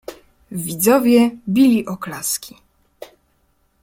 "Widzowie bili oklaski."